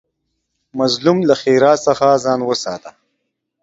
مظلوم له ښېرا څخه ځان وساته